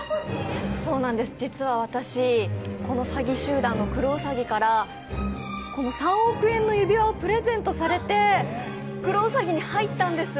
そうなんです、実は私この詐欺集団のクロウサギからこの３億円の指輪をプレゼントされてクロウサギに入ったんです。